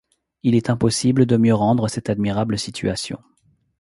Il est impossible de mieux rendre cette admirable situation.